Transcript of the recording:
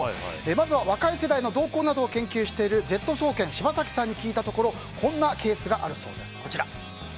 まずは若い世代の動向などを研究しているＺ総研、柴崎さんに聞いたところこんなケースがあるそうです。